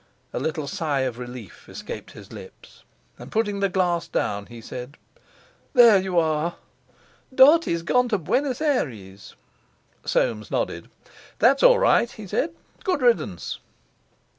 A little sigh of relief escaped his lips, and putting the glass down, he said: "There you are! Dartie's gone to Buenos Aires." Soames nodded. "That's all right," he said; "good riddance."